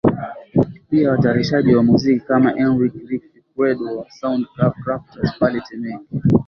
Pia watayarishaji wa muziki kama Enrique Rick Figueredo wa Sound Crafters pale Temeke